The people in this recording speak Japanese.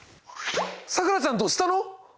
さくらちゃんどしたの？